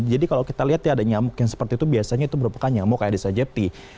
jadi kalau kita lihat ya ada nyamuk yang seperti itu biasanya itu merupakan nyamuk aedes aegypti